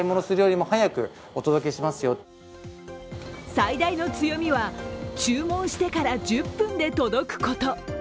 最大の強みは注文してから１０分で届くこと。